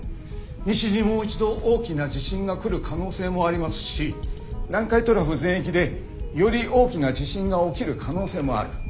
西にもう一度大きな地震が来る可能性もありますし南海トラフ全域でより大きな地震が起きる可能性もある。